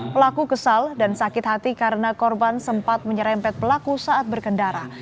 pelaku kesal dan sakit hati karena korban sempat menyerempet pelaku saat berkendara